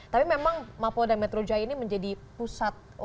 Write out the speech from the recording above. tapi memang mapolda metro jaya ini menjadi pusat untuk menjaga keamanan dan keamanan